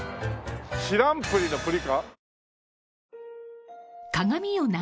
知らんぷりの「ぷり」か？